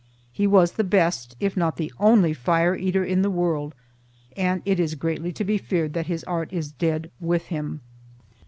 He was the best, if not the only, fire eater in the world, and it is greatly to be feared that his art is dead with him."